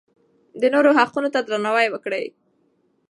د نورو حقونو ته درناوی وکړئ.